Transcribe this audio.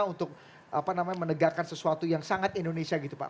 untuk menegakkan sesuatu yang sangat indonesia gitu pak